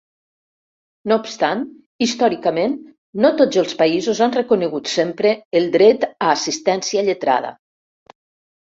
No obstant, històricament, no tots els països han reconegut sempre el dret a assistència lletrada.